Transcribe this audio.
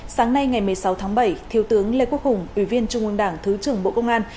sáng nay ngày một mươi sáu tháng bảy thiếu tướng lê quốc hùng ủy viên trung ương đảng thứ trưởng bộ công an